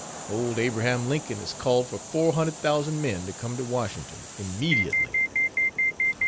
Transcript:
Old Abraham Lincoln has called for four hundred thousand men to come to Washington immediately.